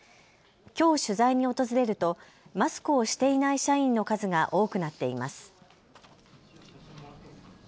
きょう取材に訪れるとマスクをしていない社員の数が多くなっています。